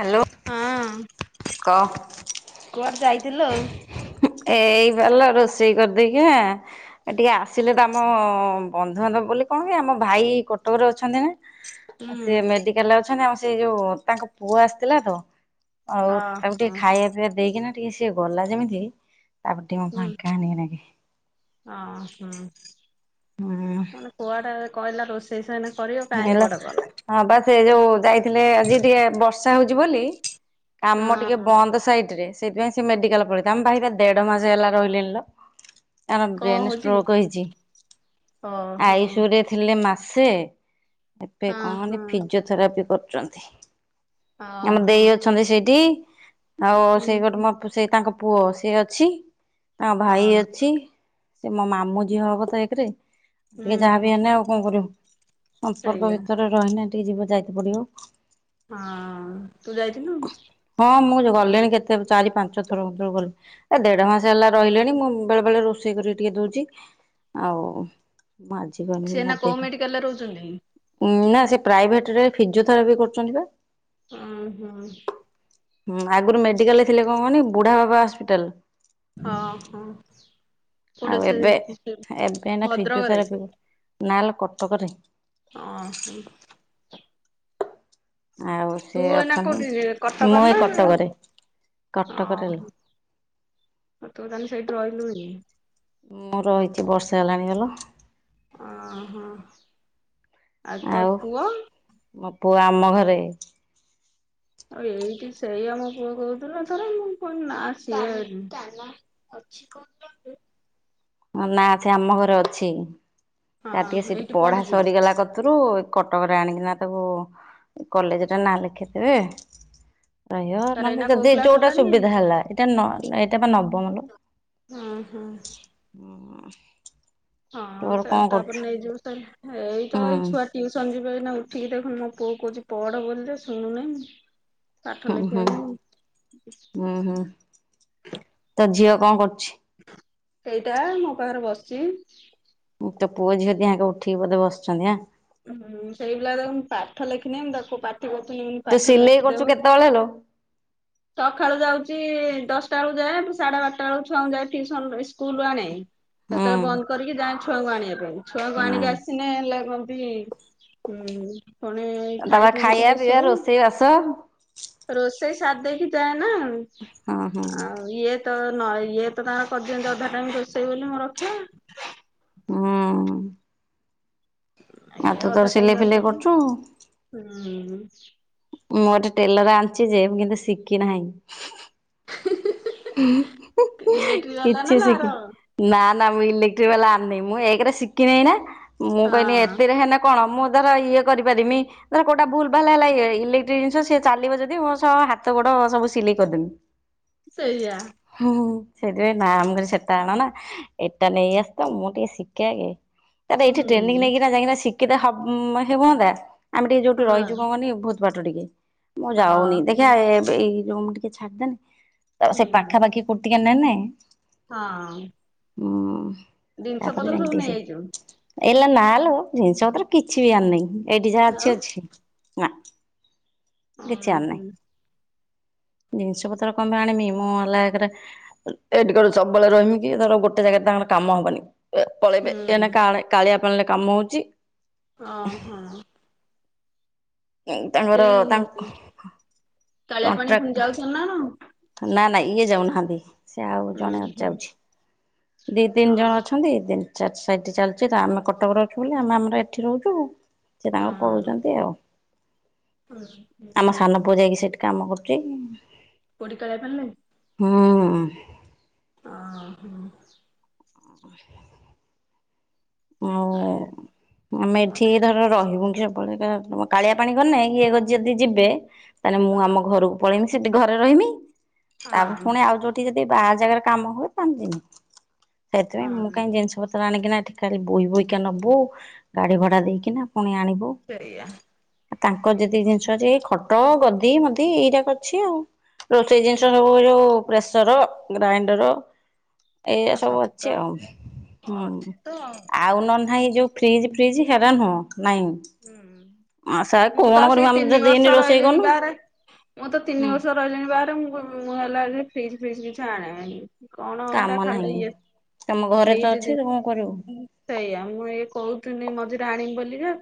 Hello ହଁ କହ କୁଆଡେ ଯାଇଥିଲ? ଏଇ ଗଲା ରୋଷେଇ କରିଦେଇ କିନା ଟିକେ ଆସିଲେ ତମ ବନ୍ଧୁବାନ୍ଧବ ବୋଲି କଣ ବେ ଆମ ଭାଇ କଟକରେ ଅଛନ୍ତି ନା? ହୁଁ। ସିଏ ମେଡିକାଲ ରେ ଅଛନ୍ତି ଆଉ ସେଇ ଯୋଉ ତାଙ୍କ ପୁଅ ଆସିଥିଲା ତ। ଆଉ ତାକୁ ଟିକେ ଓହୋ ଖାଇବା ପିଇବା ଦେଇ କିନା ଟିକେ ସିଏ ଗଲା ଯେମିତି ତାପରେ ଟିକେ ଆମେ ଫାଙ୍କା ଆଣିକି ଲାଗେ। ହଁ ହୁଁ ହୁଁ ମାନେ କୁଆଡ଼େ କହିଲା ରୋଷେଇ ସରିଲା। ହେଲା ହଁ ବା ସେ ଯୋଉ ଯାଇଥିଲେ ଆଜି ଟିକେ ବର୍ଷା ହଉଛି ବୋଲି କାମ ଟିକେ ହଁ। ବନ୍ଦ ସାଇଡ ରେ। ସେଇଥିପାଇଁ ସେ ମେଡିକାଲ ପଳେଇଥିବେ ଆମ ପାଖରେ ଦେଢ ମାସ ହେଲା ରହିଲେଣି ଲୋ। ତାଙ୍କ କଣ ବ୍ରେନ ହଉଛି କି ଷ୍ଟୋକ ହେଇଛି ଓହୋ ଆଇ ସି ୟୁ ରେ ଥିଲେ ମାସେ। ଏବେ ଓହୋ କହନି ଫିଜୋଥେରାପି କରୁଛନ୍ତି। ଆମ ଓହୋ। ଦେଇ ଅଛନ୍ତି ସେଇଠି। ଆଉ ସେ ଗୋଟେ ହୁଁ ମୋଟୁ ସେଇ ତାଙ୍କ ପୁଅ ସେ ଅଛି। ତାଙ୍କ ହଁ ଭାଇ ଅଛି। ସେ ମୋ ମାମୁଁ ଝିଅ ହବ ତ ଏକ ରେ ହୁଁ ଟିକେ ଯାହାବି ହୁଁ ହେଲେ ଆଉ କଣ କରିବୁ? ସମ୍ପର୍କ ସେଇଆ ଭିତରେ ରହିଲେ ଟିକେ ଯିବ ଯାଇତେ ପଡିବ। ହଁ ତୁ ଯାଇଥିଲୁ? ଗଲେଣି କେତେ ଚାରି ପାଞ୍ଚ ଥର ଗଲେ। ଏ ଦେଢ ମାସ ହେଲା ରହିଲେଣି ମୁଁ ବେଳେ ବେଳେ ରୋଷେଇ କରିି ଟିକେ ଦଉଛି ଆଉ ମାଜିଗନି ସିଏ ଏଇନା ନା କୋଉ ଦେବି। ମେଡିକାଲରେ ରହୁଛନ୍ତି? ଉଁ ନା ସେ ପ୍ରାଇଭେଟ ରେ ଫିଜିଓଥେରାପି କରୁଛନ୍ତି ବା। ଅ ହୁଁ ହୁଁ। ହୁଁ ଆଗରୁ ମେଡିକାଲରେ ଥିଲେ କଣ କହନି ବୁଢା ବାବା ହସ୍ପିଟାଲ। ହଁ ହଁ। ଆଉ ଏବେ ଏବେ ନା ଭଦ୍ରକରେ ଫିଜୋଥେରାପି ନାଲୋ କଟକରେ। ହଁ ହଁ। ଆଉ ତୁ ସେ ଏନା ଅଛନ୍ତି କୋଉଠି ମୁଁ କଟକରେ ଏ ନା କଟକରେ ଓ କଟକରେ ଲୋ ହୋ ତୁ ତାହେଲେ ସେଇଠି ରହିଲୁଣିି? ମୁଁ ରହିଛି ବର୍ଷା ହେଲାଣି ଆଲୋ। ଅ ହଁ, ଆ ତୋ ଆଉ ପୁଅ? ମୋ ପୁଅ ଆମ ଘରେ। ଆଉ ଏଇଠି ସେଇ ଆମ ପୁଅ କହୁଥିଲା ଥରେ, ମୁଁ କହିଲି ନାସିଏ ଅଛି କୁ ନା ସେ ଆମ ଘରେ ଅଛି, ତାର ଟିକେ ସେଠି ଏଇଠି ପଢା ପଢୁଛି ସରିଗଲା କତିରୁ କଟକରେ ଆଣିକିନା ତାକୁ କଲେଜରେ ନାଁ ଲେଖିଥିବେ। ରହିବ ତାର ନହେଲେ ଏଇନା କୋଉ ଯଦି କ୍ଲାସ ଯୋଉଟା ହେଲାଣି? ସୁବିଧା ହେଲା ଏଇଟା ନ ଏଇଟା ବା ନବମର। ଉଁ ହୁଁ। ଉଁ। ହଁ ସାର୍ ତାପରେ ନେଇଯିବୁ ସାର ଏଇ ତ ହୁଁ ଏଇ ଛୁଆ ଟିଉସନ ଯିବେ ଏଇନା ଉଠ ଟିକେ ଦେଖନ ମୋ ପୁଅକୁ କହୁଛି ପଢ଼ ବୋଲି ସେ ଶୁଣୁ ନାହିଁ। ଉଁ ହୁଁ ଉଁ ହୁଁ ତୋ ଝିଅ କଣ କରୁଛି? ଏଇଟା ମୋ ପାଖରେ ବସିଛି। ତୋ ପୁଅ ଝିଅ ଦିହାଙ୍କ ଉଠିକି ବୋଧେ ବସିଛନ୍ତି ଆଁ? ହୁଁ ସେଇପିଲା ଦେଖୁନୁ ପାଠ ଲେଖିନି ମୁଁ ତାକୁ ପା ଠିକି ଅଛି ତୁ ପାଠ ସିଲେଇ କରୁଛୁ ଲେଖିଦବୁ, କେତେବେଳେ ଲୋ? ସକାଳୁ ଯାଉଛି ଦଶଟା ବେଳକୁ ଯା ପୁଣି ସାଢେ ବାରଟା ବେଳକୁ ଛୁଆ ଯାଏ ଟୁସନ ସ୍କୁଲୁ ଆଣେ ହୁଁ ସେତବେଳେ ବନ୍ଦ କରିକି ଯାଏ ଛୁ ଛୁଆଙ୍କୁ ଆଣିବା ପାଇଁ ଛୁଆଙ୍କୁ ଆଣିକି ହୁଁ ଆସିନେ ହେଲେ କଣତି ହୁଁ ପୁଣି ଖାଇ ତାପରେ ପିଇକି ଖାଇବା ଟିକେ ପିଇବା ଶୋଉ ରୋଷେଇ ବାସ ରୋଷେଇ ଛା ଦେଇକି ଯାଏ ନା ହଁ ହଁ ଆଉ ଇଏ ତ ନ ଇଏ ତ ତାଙ୍କର କରିଦିଅନ୍ତ ଅଧା ଟାଇମ ରୋଷେଇ ବୋଲି ମୁଁ ରକ୍ଷା। ହୁଁ ଆଉ ଇଏ ତୁ ଅଧା ତୋର ଟାଇମ ସିଲେଇ ତାଙ୍କର ଫିଲେଇ କରିଦିଅନ୍ତି କରୁଛୁ। ହୁଁ। ମୁଁ ଗୋଟେ ଟେଲର ଆଣିଛି ଯେ କିନ୍ତୁ ଶିଖି ନାହିଁ। ଇଲେକ୍ଟ୍ରି ବାଲା ନା କିଛି ତାର ଶିଖିନି, ହଁ ନା ନା ମୁଁ ଇଲେଟ୍ରି ବାଲା ଆଣିିନି ମୁଁ ଏକରେ ଶିଖିନାହିଁ ନା ମୁଁ କହିଲି ଏତିରେ ହେନେ କଣ ମୁଁ ଧର ଇଏ କରିପାରିମି, ଧର କୋଉଟା ଭୁଲ ଭାଲ ହେଲା ଇଲେକ୍ଟ୍ରିକ ଜିନିଷ ସେ ଚାଲିବ ଯଦି ମୋ ସହ ହାତ ଗୋଡ ହଁ ସବୁ ସିଲେଇ କରିଦେମି। ସେୟା। ହୁଁ ସେଇଥିପାଇଁ ନାଁ ମୁଁ କହିଲି ସେଟା ଆଣ ନା ଏଇଟା ନେଇଆସ ତ ମୁଁ ଟିକେ ଶିଖେ ଆଗେ। ଆରେ ଏଇଠି ଟ୍ରେନିଂ ହୁଁ ନେଇକିନା ଯାଇକିନା ଶିକିତେ ହବ ହେବନ୍ତା। ଆମେ ଟିକେ ଯୋଉଠି ରହିଛୁ ହଁ କଣ କନି ବହୁତ ବାଟ ଟିକେ ମୁଁ ଯାଉନି ହଁ ଦେଖିଆ ଏବେ ଇ ଯଉ ମୁ ଟିକେ ଛାଡିଦେନେ ତ ସେ ହୁଁ ପାଖାପାଖି କୋଉଠି ଟିକେ ନେନେ। ହଁ। ହୁଁ ଜିନିଷ ତାପରେ ପତ୍ର ଯାଇଙ୍କି ସବୁ ଟିକେ ନେଇଯାଇଛୁ ସିଖି ଏଲାକ ନା ଲୋ ଜିନିଷ ପତ୍ର କିଛି ବି ଆଣିନେଇ ଏଇଠି ଯାହା ଆଉ ଅଛି ଅଛି ନା। କିଛି ହଁ ହୁଁ। ଆଣିନାହିଁ ଜିନିଷ ପତ୍ର କଣପେଇ ଆଣିବି? ମୁଁ ହେଲା ଏକରେ ଏଠି କଣ ସବୁବେଳେ ରହିମି କି ଧର ଗୋଟେ ଜାଗାରେ ତାଙ୍କର କାମ ହବନି। ଏ ପଳେଇବେ ହୁଁ। ଏନେ କାଳେ-କାଳିଆ ପାଣିରେ କାମ ହଉଛି। ଅଁ ହଁ। ତାଙ୍କର ତାଙ୍କ କାଳିଆ ପାଣି ପୁଣି କଣ୍ଟ୍ରାକ୍ଟ ଯାଉଛ ନା ଉଁ ନା ନା ଇଏ ଯାଉନାହାନ୍ତି। ସେ ଆଉ ହୁଁ। ଜଣେ ହୁଁ ଯାଉଛି ଦି ଅ ତିନି ଜଣ ଅଛନ୍ତି ଦିନ ସାଇଠି ସାଇଠି ଚାଲିୁଛି ତ ଆମେ କଟକରେ ଅଛୁ ବୋଲି ଆମେ ଆମର ଏଠି ରହୁଛୁ।। ସେ ତାଙ୍କର ହଁ। ପଢଉଛନ୍ତି ଆଉ। ହୁଁ। ଆମ ସାନ ପୁଅ ଯାଇକି ସେଠି କାମ କରୁଛି। ଏ କାଳିଆ ପାଣି ଲାଗି। ଉଁ ହୁଁ। ଅ ହଁ। ଆ [inaudible] ଆଉ ଆମେ ଏଠି ମାନେ ଧର ରହିବୁ କି ଳେଇ କାଳିଆ ପାଣି ଗନେ ଇଏଛ ଯଦି ଯିବେ ତାହେଲେ ମୁଁ ଆମ ଘରକୁ ପଳେଇବି। ସେଠି ଘରେ ରହିମି ତାପରେ ହଁ ପୁଣି ଆଉ ଯୋଉଠିକି ଯଦି ଯଦି ବାହାର ଜାଗାରେ କାମ ହୁଏ ତାହେଲେ ଜିମି ସେଥିପାଇଁ ମୁଁ ହଁ କାଇଁ ଜିନିଷ ପତ୍ର ଆଣିକି ନା ଖାଲି ବୋହି ବୋହିକା ନବୁ ଗାଡି ଭଡା ଦେଇକିନା। ପୁଣି ଆଣିବୁ ସେଇଆ ତାଙ୍କ ଯେତିକି ଜିନିଷ ଅଛି ଏଇ ଖ ଟ ଗଦି ମଦି ଏଇରାକ ଅଛି ଆଉ ରୋଷେଇ ଜିନିଷ ହୁଁ ସବୁ ଏ ଯୋଉ ପ୍ରେସର ଗ୍ରାଇଣ୍ଡର ଏଇରା ଆଉ ସବୁ ତ ଅଛି ଆଉ ହୁଁ ଅଛି ତ ଆଉ ନହେଲେ ନାଁହିଁ ଯୋଉ ଫ୍ରିଜ ଫ୍ରିଜ ହେରା ନୁହଁ ନାଇଁ। ହୁଁ। ଆ ସାର୍ ମୁଁ କଣ ତ କରିବୁ ଆସିକି ଆମେ ତ ତିନି ଦିନି ବର୍ଷ ରୋଷେଇ ରହିଲିଣିି କରୁନୁ ବାହାରେ ମୁଁ ତ ତିନି ହୁଁ ବର୍ଷ ରହିଲିଣି ବାହାରେ ମୁଁ ହେଲା ଫ୍ରିଜ ଫ୍ରିଜ କିଛ ଆଣନି କଣ କାମ ଏଟା ଖାଲି ନାହିଁ। ଇଏ ତମ ଘରେ ସେ୍ରୀ ତ ଅଛି ଯଦ ତୁ କଣ କରିବୁ ସେଇଆ ମୁଁ ଇଏ କହୁ ୁନି ମଝିରେ ଆଣିବି ବୋଲିିଜେ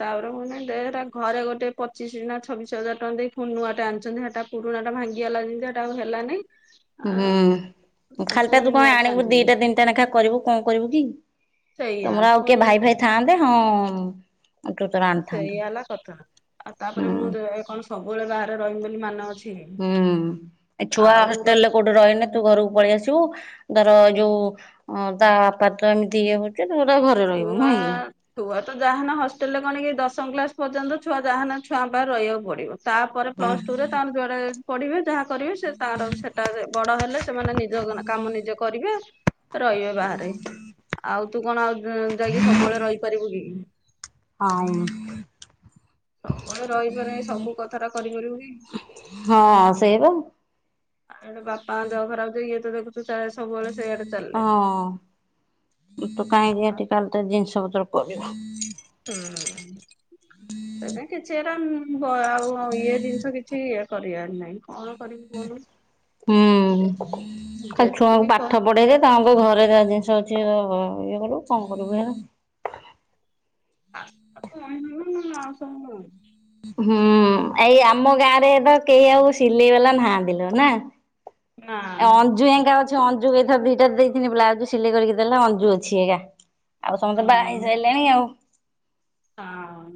ତାପରେ ମୁଁ ଦେ ହେରା ଘରେ ଗୋଟେ ପଚିଶ ନା ଛବିଶ ହଜାର ଟଙ୍କା ଦେଇ ନୁଆ ଟେ ଆଣିଛନ୍ତି ହେଟା ପୁଡ଼ୁ ଲୁଣା ଟା ଭାଙ୍ଗିଗଲା ଜିନ୍ତି ହେଟା ଆଉ ହେଟା ହେଲାନେଇ। ହୁଁ ଖାଲିଟା ଫୁଣି ତୁ କଣ ନୂଆଟା ଆଣିବୁ ଆଣିଛନ୍ତି ଦିଟା ତିନିଟା ନେଖା କରିବୁ କଣ କରିବୁ କି? ସେଇଆ ତମର ଆଉ କିଏ ଫୁଣି ଭାଇ ଭାଇ ଥାନ୍ତେ ହଁ ତୁ ତୋର ଆଣିଥାନ୍ତୁ ସେଇଆ ହେଲା କଥା ଆଉ ହୁଁ ତାପରେ ମୁଁ କଣ ସବୁବେଳେ ବାହାରେ ରହିିବି ବୋଲି ମାନେ ଅଛି। କି ହୁଁ ଏ ଛୁଆ ଆଉ ର ହଷ୍ଟେଲ ରେ କଉଠେ ରହିନେ ତୁ ଘରକୁ ପଳେଇ ଆସିବୁ। ଧର ଯୋଉ ଅ ତା ବାପାତ ଏମିତି ଇଏ ହଉଛ ଛୁଆ ଛୁଆ ତ ଯାହାନେ ହଷ୍ଟେଲରେ କଣ କି ଦଶ ଦଶମ କ୍ଲାସ ପର୍ଯ୍ୟନ୍ତ ଛୁଆ ଯାହାନ ଛୁଆ ପାଖରେ ରହିବାକୁ ପଡିବ ତାପରେ ପ୍ଲସ ଟୁ ରେ ତାଙ୍କର ଜୁଆଡେ ପଢିବେ ଯାହା କରିବେ ସେ ତାର ସେଟା ବଡ ହେଲେ ସେମାନେ ନିଜ କାମ ନିଜେ କରିବେ। ରହିବେ ବାହାରେ ଆଉ ତୁ କଣ ଆଉ ଯାଇକି ସବୁବେଳେ ରହିପାରିବୁ କି? ହଉ। ସବଳେ ରହିପାରୁନହି ସବୁ କଥାରା କରିପାରିବୁ କି? ହଁ ସେଇ ବା। ଆଉ ଆଡେ ବାପାଙ୍କ ଦେହ ଖରାପ ଜେ ଇଏ ତ ଦେଖୁଚୁ। ହଁ ତୁ କାହିଁକି ଏଠିକାଲି ତ ଜିନିଷ ତୋର କରିବ। ହୁଁ ହେରା କିଛି ହେରା ଆଉ ଇଏ ଜିନିଷ କିଛି ଇ କରିବାର ନାହିଁ। କଣ କରିବୁ କହୁନୁ? ହୁଁ ଖାଲି ଛୁଆଙ୍କୁ ଯେତିକି କ ପାଠ ପଢେଇଦେ ତାଙ୍କ ଘର ଘ ଯାହା ଜିନିଷ ଅଛି ଇଏ କରିବୁ କଣ କରିବୁ ହେ ଆସ [inaudible] ହୁଁ ଏଇ ଆମ ଗାଁ ରେ ତ କେହି ଆଉ ସିଲେଇ ବାଲା ନାହାଥିଲ ଲୋ ନା? ନା ଆ ଅଞ୍ଜୁ ଏଇନିକା ବୋଧେ ଅଞ୍ଜୁ ଏଥ ଦିଟା ଦେଇଥିଲି ବ୍ଲାଉଜ ସିଲେଇ କରିକି ଦେଲା ଅଞଜୁ ଅଛି ଏଗା ଆଉ ସମତେ ବାହା ହେଇ ସାଇଲେଣି ଆଉ। ହଁଅଁ।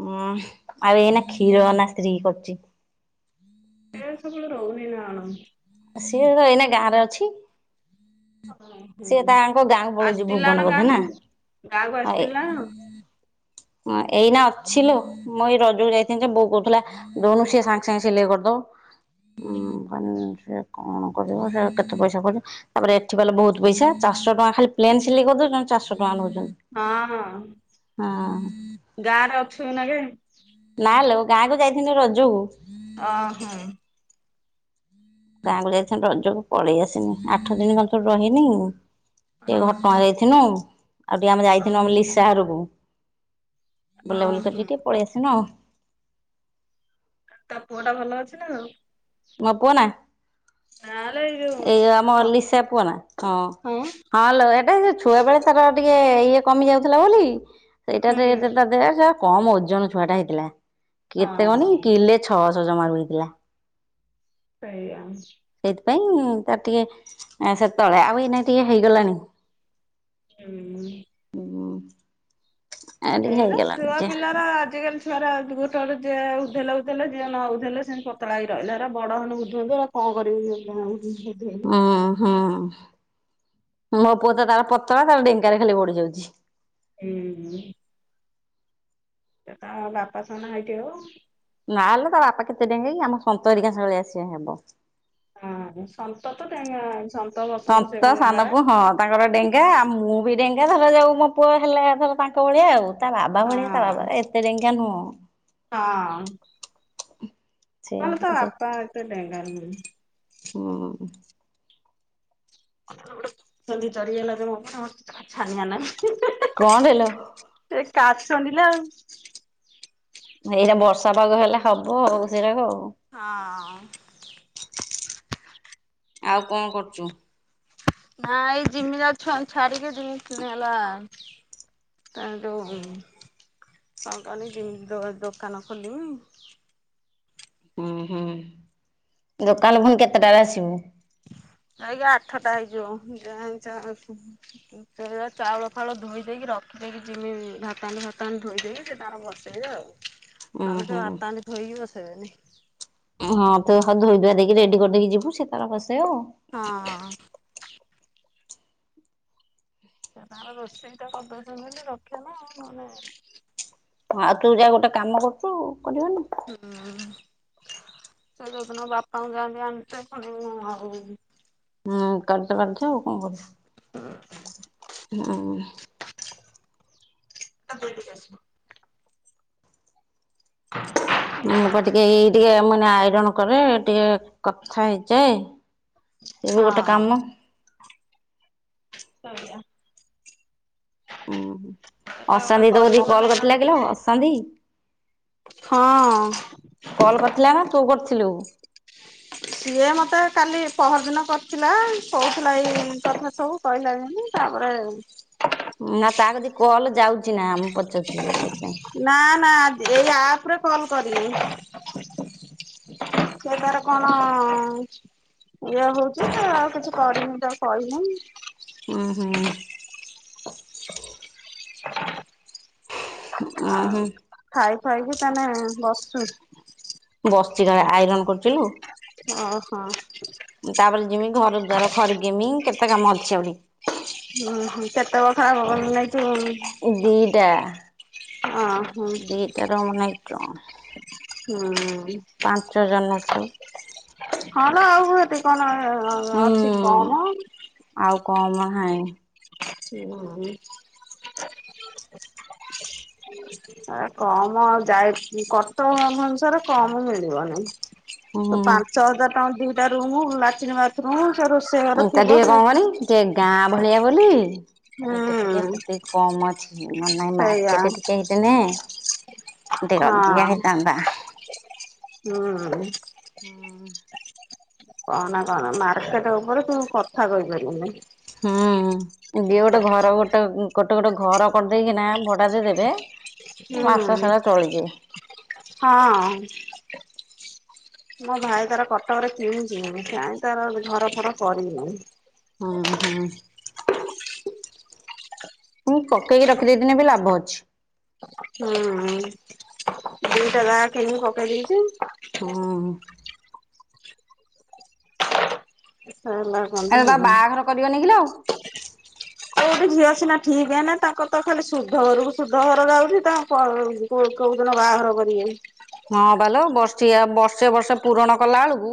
ହୁଁ ଉଁ ହ ଆଉ ଏଇନା କ୍ଷୀର ନା ସ୍ତ୍ରୀ କରୁଚି। ଏରା ସବବେଳେ ରହୁନି ନା କଣ? ସିଏ ତ ଏଇନା ଗାଁରେ ଅଛି ସିଏ ଓହୋ ତାଙ୍କ ଗାଁକୁ ପଳଉଛି ଆସିଥିଲା ଭୁବନ ନା ବୋଧେ ଗାଁକୁୁ ଗାଁକୁ ହଁ ଏ ଆସିଥିଲା। ହଁ ଏଇନା ଅଛିଲୋ ମୁଁ ଏଇ ରଜକୁ ଯାଇଥିନି ଯେ ବୋଉ କହୁଥିଲା ଦଉନୁ ସିଏ ସାଙ୍ଗେ ସାଙ୍ଗେ ସିଲେଇ କରିଦବ। ସେ କଣ [inaudible] ଦ ସେ କେତେ ପଇସା ପଡିବ ତାପରେ ଏଠି ବହୁତ ପଇସା ଚାରିଷ ଟଙ୍କା ଖାଲି ପ୍ଲେନ୍ ସିଲେଇ କରିଦେଉଚନ୍ତି ଚାରିଶହ ଟଙ୍କା ନଉଛି। ହଁ ହଁ ଗାଁରେ ଅଛୁ ଏନାକେ। ହ୍ୟାଲୋ ଗାଁ କୁ ଯାଇଥିଲି ରଜ କୁ। ଓ ହୋ। ଗାଁକୁ ଯାଇଛନ୍ତି ରଜକୁ ପଳେଇ ଆସିନି ଆଠ ଦିନି ଖଣ୍ଡେ ରହିନି। ଟିକେ ଓହୋ ଘଟଗାଁ ଯାଇଥିନୁ ଆଉ ଟିକେ ଆମେ ଯାଇଥିଲୁ ଆମେ ଲିସା ଘରକୁ। ବୁଲାବୁଲି ଓହୋ କରିକି ଟିକେ ପଳେଇ ଆସିଲୁ। ତା ପୁଅଟା ଭଲ ଅଛି ନା ଆଉ? ମୋ ପୁଅ ନା ନାଲୋ ଯୋଉ ଏଇ ଆମ ଲିଶା ପୁଅ ନା ହଁ। ହଁଲୋ ଏଇଟା ଛୁଆବେଳେ ତାର ଟିକେ ଟିଏ କମି ଯାଉଥିଲା ବୋଲି ସେଇଟାରେ ହୁଁ ଦେ ଯ କମ ଓଜନ ଛୁଆ ଟା ହେଇଥିଲା। କେତେ କହନି ହଁ କିିଲେ ଛଅଶହ ଜମା ହେଇଥିଲା। ସେଇଆ। ସେଇଥିପାଇଁ ତାର ଟିକେ ସେ ତଳେ ଆଉ ଏଇନାଇ ଟିକେ ହେଇଗଲାଣି। ହୁଁ। ଆ ଟିକେ ହେରା ହେଇଗଲାଣି ଛୁଆ ଯେ ପିଲାର ଆଜିକାଲି ଛୁଆରା ଗୋଟେ ଯିଏ ଉଧେଲେ ଉଧଲେ ଯିଏ ନଉଧେଇଲେ ସେମିତି ପତଳା ହେକ ରହିଲା ହେରା ବଡ ହେଲେ ଉଧେଇବ ହେରା କଣ କରିବୁ। [unintelligible] ଆଁ ହଁ। ମୋ ପୁଅ ତ ତାର ପତଳା ତାର ଡେଙ୍ଗା ଖାଲି ବଡିି ଯାଉଛି। ହୁଁ। ତା ବାପା ତ ନାହାନ୍ତି ଆଉ। ନା ଲୋ ତା ବାପା କେତେ ଡେଙ୍ଗେଇକି ଆମ ସନ୍ତ ହେରିକା ଭଳିଆ ହବ। ହଁ ସନ୍ତ ତେଙ୍କା ସ ତନ୍ତ ସାନପୁ ହଁ ତାଙ୍କର ଡେଙ୍ଗା ଆଉ ମୁଁ ବି ଡେଙ୍ଗା। ଏହା ବାବା ଯୋଉ ମୋ ପୁଅ ହେଲେଲା ଧର ତାଙ୍କ ଭଳିଆ ଆଉ ତା ବାବା ଭଳିଆ ତା ହଁ ବାବା ଏତେ ଟେଙ୍କା ନୁହଁ। ହଁ। ସେ ଆଲୋ ତା ହେଲା ସେ ବାପା [inaudible] ହୁଁ ଆେ ଚରିଆ ଲାଗେ ମ ଛାନିଆ ନାଁ କଣ୍ଡଲୋ [unintelligible] ଏଇରା ବର୍ଷା ପାଗ ହେଲେ ହବ ଆଉ ସେରାକ ଆଉ। ହଁ। ଆଉ କଣ କରୁଚୁ? ନା ଏଇ ଜିମିି ଯାଉଚି ଛାଡିକି ଜିନି କିିନ ହେଲା। ତାର କଣ କଲି ଯେମତି ଦୋକାନ ଖୋଲିମି। ହୁଁ ହୁଁ ଦୋକାନ ଫୁଣି କେତେଟାରେ ଆସିବୁ? [unintelligible] ଆଜ୍ଞା ଆଠଟା ହେଇଯିବ ଯ ସେ ଚାଉଳ ଫାଉଳ ଧୋଇ ଦେଇକି ରଖ ଯକି ଜିମି ଭାତୁ ଭତା ଧୋଇଦବି ସେ ତାର ବସେଇ ଆଉ। ଉଁ ନହେଲେ ହୁଁ। ସେ ଭାତ ହାଣ୍ଡି ଧୋଇକି ବାନେଇବେନି। ହଁ ତ ଧୋଇ ଧୁଆ ଦେଇକି ରେଡି କରିଦେଇକି ଯିବୁ ସେ ତାର କସେଇ ଆଉ। ହଁ। ସେ ତାର ରୋଷେଇଟା କରିଦଉଛନ୍ତି ବୋଲି ରଖେ ନା ନହେଲେ। ଆଉ ତୁ ଯା ଗୋଟେ କାମ କରୁଛୁ କରିବନି ହୁଁ ହଁ। ସେ ଯୋଦିନ ବାପାଙ୍କୁ ଯାଆନ୍ତି ଆଣିଛେଣି ଆଉ ହୁଁ କାଟଚ କାଟଛ ଆଉ କଣ କରିବ ହୁଁ [unintelligible] [unintelligible] ମୁଁ ପା ଟିକେ ଏଇ ଟିକେ ମାନେ ଆଇରନ କରେ ଟିକେ କଥା ହେଇଯାଏ। ସିଏ ବି ଗୋଟେ କାମ। ସଇଲା ଉଁ ହୁଁ ଅଶାନ୍ତି ତୋ କରିବୁ କତିକି ମାନେ କଲ ଆଉ କରିଥିଲା କିଲୋ ଟିକେ ଅଶାନ୍ତି? ହଁ କଲ କରିଥିଲା ନା ତୁ କରିଥିଲୁ? ସିଏ ମତେ କାଲି ପହରଦିନ କରିଥିଲା କହୁଥିଲା ଏଇ କଥା ସବୁ କହିଲା ଯେମିତି ତାପରେ ନା ତା କତିକି କଲ ଯାଉଛି ନା ଆମ ପଚାରୁଛି ଯେ ସେଇଥିପାଇଁ? ନା ନା ଏଇ ଆପରେ କଲ କରିବି? ସେ ତାର କଣ ଇଏ ହଉଛି ତ ଆଉ କିଛି କରିନି ମୁଁ ତାକୁ କହିନେଇ। ଉଁ ହୁଁ। ଉଁ ଆଉ ହୁଁ ଖାଇ [unintelligible] ତା ନା ବସୁ ବସିଚି ଜଣେ ଆଇରନ କରିଥିଲୁ। ଓହୋ ତାପରେ ଯିମି ଘର ଦ୍ୱାର ଖରିକିମି କେତେ କାମ ଅଛି ଆଉରି। ଉଁ ହୁଁ କେତେ ବଖରା ଘର ବନେଇଚୁ? ଦିଟା। ଅ ହଁ ଦିଟାର ମାନେ ହଁ। ପାଞ୍ଚ ଜନ। ହଁ ଲୋ ଆଉ ଏତିକି କଣ [unintelligible] ଅଛି ହୁଁ କମ ଆଉ କମ ନାହିଁ [unintelligible] ଆ କମ ଆଉ ଯାଇକି କଟକ ଭୋନଶରରେ କମ ମିଳିବ ନାଇଁ। ତ ହୁଁ। ପାଞ୍ଚ ହଜାର ଟଙ୍କା ଦିଟା ରୁମ୍ ଲାଟିନି ବାଥରୁମୁ ଉଁ ତାର ଟିକେ କଣ କରନି ଟିକେ ଗାଁ ଭଳିଆ ବୋଲି [unintelligible] ଏଇଟା ଟିକେ ହୁଁ ସେତିକି କମ ଅଛି। ନ ହେଲେ ନାଇଁ ସେଇଆ ମାର୍କେଟ ଟିକେ ହେଇଥିନେ, ଟିକେ ହଁ ଅଧିକା ହେଇଥାନ୍ତା। ହୁଁ। କହନା କହନା ମାର୍କେଟ ଉପରେ ତୁ କଥା କହିପାରିବୁନି। ହୁଁ ଦିଏ ଗୋଟେ ଘର ଗୋଟେ ଗୋଟେ ଗୋଟେ ଘର କରିଦେଇକିନା ଭଡା ଦେଇ ଦେବେ ହୁଁ ହଁ। ମୋ ଭାଇ ତାର କଟକରେ କିଣିଛି ଏବେ କାଇଁ ତାର ଘର ଫର କରିନେଇ। ଉଁ ହୁଁ। ମୁଁ ପକେଇକି ରଖିଦେଇଦିନେ ବି ଲାଭ ଅଛି। ହୁଁ ଦିଇଟା ଜାଗା କିଣିକି ପକେଇ ଦେଇଛି। ହୁଁ। ହେଲା କଣତି ଆରେ ତା ବାହାଘର କରିବନି କିଲୋ? କୋଉଠି ଝିଅ ସିନା ଠିକ୍ ହେନେ ତାଙ୍କର ତ ଖାଲି ଶୁଦ୍ଧ ଘରକୁ ଶୁଦ୍ଧ ଘର ଯାଉଛି ତାଙ୍କ କଣ ରହୁଛି କୋ କୋଉ [unintelligible] ର ବାହାଘର କରିବେ। ହଁ ବା ଲୋ ବର୍ଷିକିଆ ବର୍ଷେ ବର୍ଷେ ପୂୁରଣ କଲା ବେଳକୁ